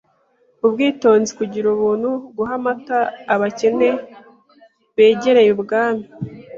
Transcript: ubwitonzi kugira ubuntu guha amata abakene begereye ibwami